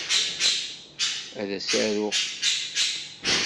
Ad as-aruɣ.